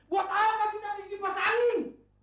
buat apa kita dikipas angin